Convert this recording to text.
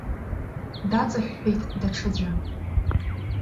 Даҵаҳәҳәеит даҽаӡәы.